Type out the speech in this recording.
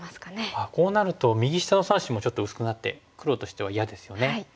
ああこうなると右下の３子もちょっと薄くなって黒としては嫌ですよね。